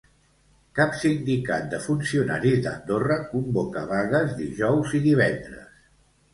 Cap sindicat de funcionaris d'Andorra convoca vagues dijous i divendres.